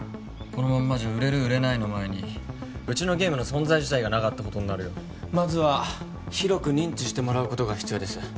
このまんまじゃ売れる売れないの前にうちのゲームの存在自体がなかったことになるよまずは広く認知してもらうことが必要です